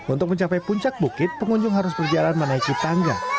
untuk mencapai puncak bukit pengunjung harus berjalan menaiki tangga